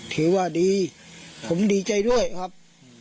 ถือว่าดีผมดีใจด้วยครับ